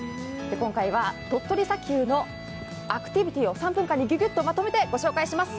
今回は、鳥取砂丘のアクティビティーを３分間にギュギュッとまとめてご紹介します。